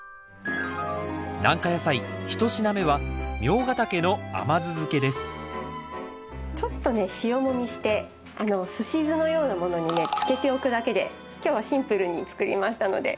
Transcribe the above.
軟化野菜一品目はちょっとね塩もみしてすし酢のようなものにねつけておくだけで今日はシンプルに作りましたので。